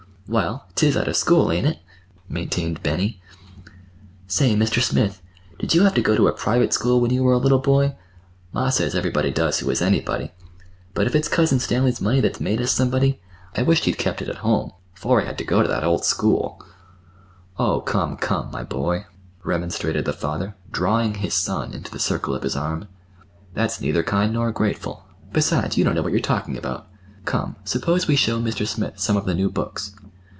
"Well, 'tis out of school, ain't it?" maintained Benny. "Say, Mr. Smith, did you have ter go ter a private school when you were a little boy? Ma says everybody does who is anybody. But if it's Cousin Stanley's money that's made us somebody, I wished he'd kept it at home—'fore I had ter go ter that old school." "Oh, come, come, my boy," remonstrated the father, drawing his son into the circle of his arm. "That's neither kind nor grateful; besides, you don't know what you're talking about. Come, suppose we show Mr. Smith some of the new books."